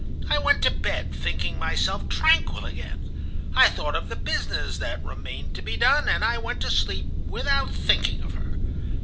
I went to bed, thinking myself tranquil again. I thought of the business that remained to be done, and I went to sleep without thinking of her.